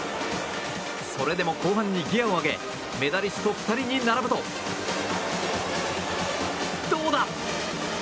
それでも後半にギアを上げてメダリスト２人に並ぶとどうだ？